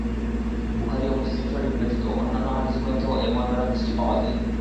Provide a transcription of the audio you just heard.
বুখারী ও মুসলিম শরীফ ব্যতীত অন্যান্য হাদীস গ্রন্থেও এ মর্মের হাদীসটি পাওয়া যায়।